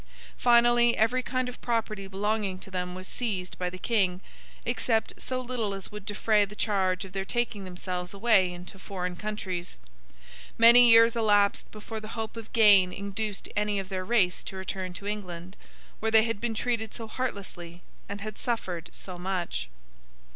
Finally, every kind of property belonging to them was seized by the King, except so little as would defray the charge of their taking themselves away into foreign countries. Many years elapsed before the hope of gain induced any of their race to return to England, where they had been treated so heartlessly and had suffered so much.